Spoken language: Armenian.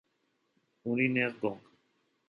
Ունի նեղ կոնք։